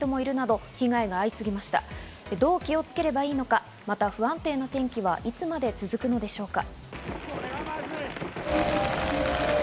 どう気をつけばいいのか、また不安定な天気はいつまで続くのでしょうか。